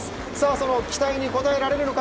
その期待に応えられるのか？